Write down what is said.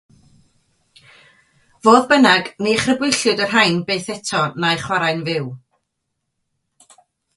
Fodd bynnag, ni chrybwyllwyd y rhain byth eto na'u chwarae'n fyw.